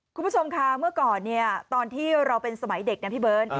คุณผู้ชมค่ะเมื่อก่อนเนี่ยตอนที่เราเป็นสมัยเด็กนะพี่เบิร์ต